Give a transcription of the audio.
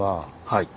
はい。